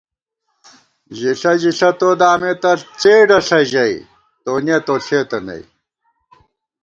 ژِݪہ ژِݪہ تو دامېتہ څېڈہ ݪہ ژَئی تونِیَہ تو ݪېتہ نئ